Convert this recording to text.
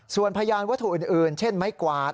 ส่วนพยานวัตถุอื่นเช่นไม้กวาด